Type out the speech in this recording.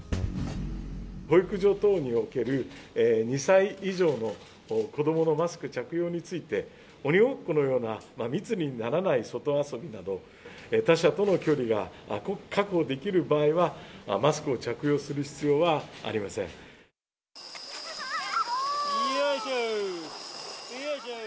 保育所等における２歳以上の子どものマスク着用について、鬼ごっこのような、密にならない外遊びなど、他者との距離が確保できる場合は、マスクを着用する必要はありません。